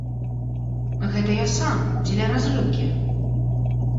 Гэта я сам дзеля разрыўкі.